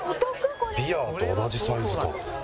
ビアと同じサイズ感。